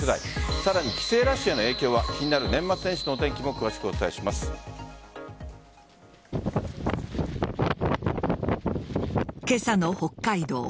さらに帰省ラッシュへの影響が気になる年末年始のお天気も今朝の北海道。